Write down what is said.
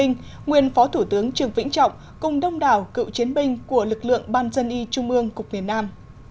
nguyên phó thủ tướng trường vĩnh trọng cùng đông đảo cựu chiến binh của lực lượng ban dân y trung ương cục miền nam